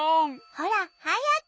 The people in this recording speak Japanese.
ほらはやく。